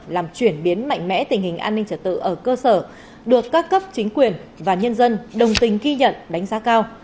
làm chuyển biến mạnh mẽ tình hình an ninh trật tự ở cơ sở được các cấp chính quyền và nhân dân đồng tình ghi nhận đánh giá cao